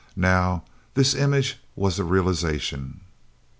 Now this image was the realization!